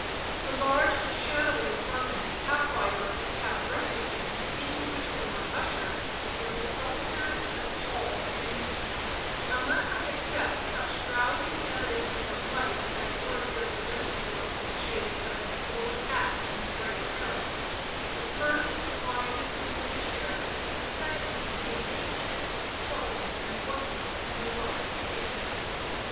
The large shadowy apartment, half library, half breakfast room, into which we were ushered, was as solitary as the hall of entrance; unless I except such drowsy evidences of life as were here presented to us in the shape of an Angola cat and a gray parrot the first lying asleep in a chair, the second sitting ancient, solemn, and voiceless, in a large cage.